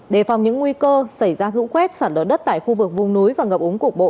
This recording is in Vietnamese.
đề phòng những nguy cơ xảy ra rũ khuét sẵn ở đất tại khu vực vùng núi và ngập ống cục bộ